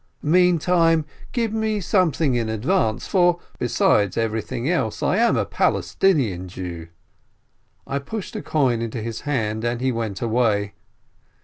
Mean time give me something in advance, for, besides every thing else, I am a Palestinian Jew." I pushed a coin into his hand, and he went away.